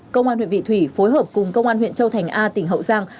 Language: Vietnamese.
công an huyện vị thủy phối hợp cùng công an huyện châu thành a tỉnh hậu giang